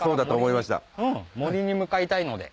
森に向かいたいので。